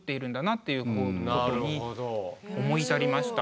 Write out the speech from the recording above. っていうところに思い至りました。